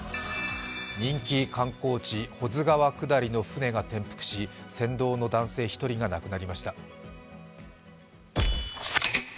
人気観光地・保津川下りの舟が転覆し船頭の男性１人が亡くなりました。